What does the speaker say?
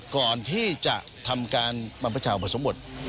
ก่อนที่จะทำการมันพระเจ้าผสมบท